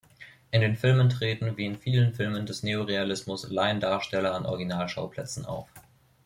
In den Filmen treten, wie in vielen Filmen des Neorealismus, Laiendarsteller an Originalschauplätzen auf.